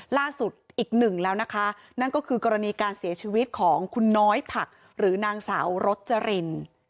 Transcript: ล่าสุดอีกหนึ่งแล้วนะคะนั่นก็คือกรณีการเสียชีวิตของคุณน้อยผักหรือนางสาวรจริน